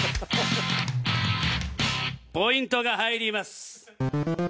ポイントが入ります。